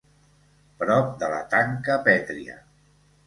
Prop de la tanca pètria.